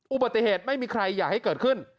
อุบัติเหตุไม่มีใครอยากให้เกิดขึ้น